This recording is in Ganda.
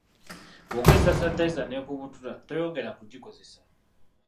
Bw’okozesa sanitayiza n’ekubutula, toyongera kugikozesa.